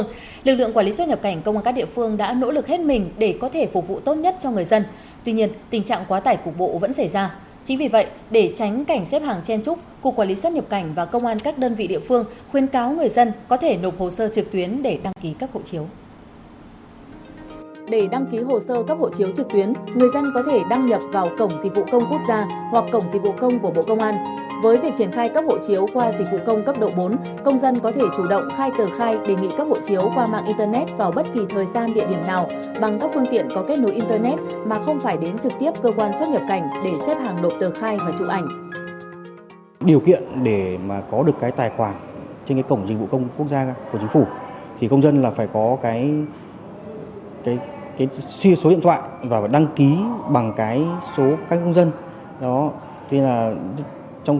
truy cập cổng dịch vụ công quốc gia dịchvucong gov vn hoặc cổng dịch vụ công bộ công an dịchvucong bocongan gov vn